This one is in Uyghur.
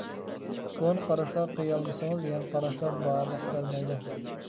كونا قاراشقا قىيالمىسىڭىز، يېڭى قاراشلار بارلىققا كەلمەيدۇ.